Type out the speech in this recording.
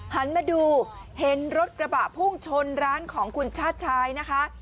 หันมาดูเห็นรถกระบะพุ่งชนร้านของคุณชาติชายนะคะ